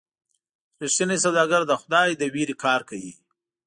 رښتینی سوداګر د خدای له ویرې کار کوي.